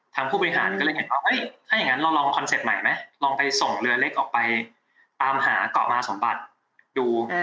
ผู้บริหารก็เลยเห็นว่าถ้าอย่างนั้นเราลองคอนเซ็ปต์ใหม่ไหมลองไปส่งเรือเล็กออกไปตามหาเกาะมาสมบัติดู